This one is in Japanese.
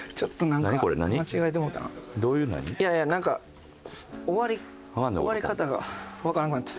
いやいやなんか終わり方がわからんくなって。